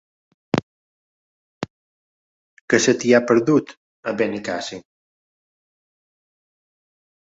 Què se t'hi ha perdut, a Benicàssim?